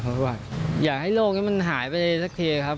เพราะว่าอยากให้โลกนี้มันหายไปสักทีครับ